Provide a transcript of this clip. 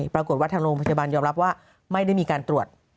ปรากฏว่าทางโรงพยาบาลยอมรับว่าไม่ได้มีการตรวจ